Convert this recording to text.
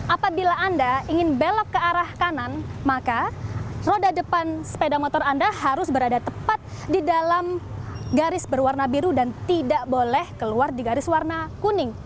apabila anda ingin belok ke arah kanan maka roda depan sepeda motor anda harus berada tepat di dalam garis berwarna biru dan tidak boleh keluar di garis warna kuning